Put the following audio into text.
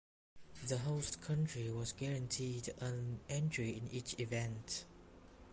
The host country was guaranteed an entry in each event.